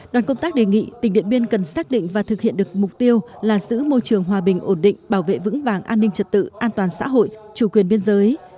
đoàn công tác đề nghị tỉnh điện biên cần xác định và thực hiện được mục tiêu là giữ môi trường hòa bình ổn định bảo vệ vững vàng an ninh trật tự an toàn xã hội chủ quyền biên giới